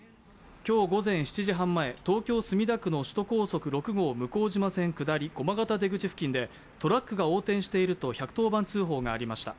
今日午前７時半前、東京・墨田区の首都高速６号向島線下り駒形出口付近でトラックが横転していると１１０番通報がありました。